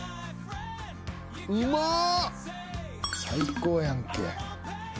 最高やんけ。